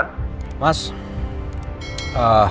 t streaming ya